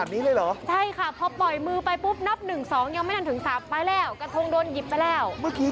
เดี๋ยว